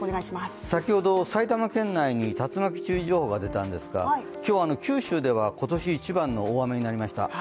先ほど埼玉県内に竜巻注意情報が出たんですが、今日、九州では今年一番の大雨になりました。